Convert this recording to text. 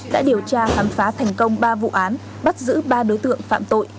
đã điều tra khám phá thành công ba vụ án bắt giữ ba đối tượng phạm tội